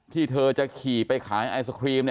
ที่เธอจะขี่ไปขายไอศครีม